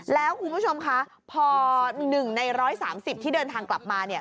แล้วคุณผู้ชมคะพอ๑ใน๑๓๐ที่เดินทางกลับมา